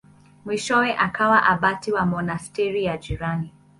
Mwishowe akawa abati wa monasteri ya jirani.